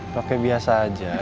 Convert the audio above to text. pake biasa aja